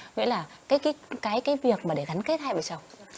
nghĩa là cái việc để gắn kết hai bộ chồng